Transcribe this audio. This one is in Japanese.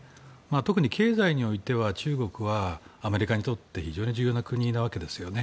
特に経済においては中国はアメリカにとって非常に重要な国なわけですよね。